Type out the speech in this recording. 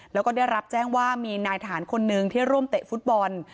แล้วก็ได้รับแจ้งว่ามีนายทหารคนนึงที่ร่วมเตะฟุตบอล